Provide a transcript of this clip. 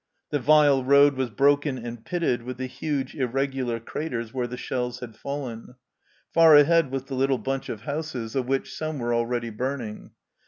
The vile road was broken and pitted with the huge, irregular craters where the shells had fallen. Far ahead was the little bunch of houses, of which some were already burning.